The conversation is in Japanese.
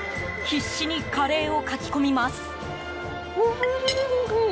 必死にカレーをかき込みます。